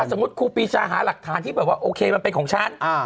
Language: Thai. สมมุติครูปีชาหาหลักฐานที่แบบว่าโอเคมันเป็นของฉัน